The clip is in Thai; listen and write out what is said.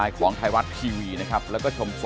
อ่า